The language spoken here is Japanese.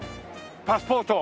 パスポート。